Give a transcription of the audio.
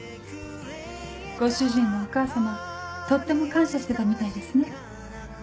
ご主人のお母様とっても感謝してたみたいですね。